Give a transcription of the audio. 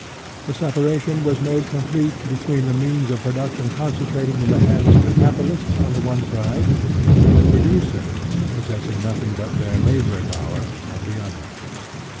The sepa ration was made complete between the means of production concentrated in the hands of the capitalists on the one side, and the pro ducers, possessing nothing but their labor power, on the other.